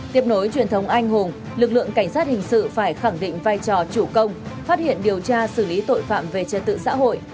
tiếp nối truyền thống anh hùng lực lượng cảnh sát hình sự phải khẳng định vai trò chủ công phát hiện điều tra xử lý tội phạm về trật tự xã hội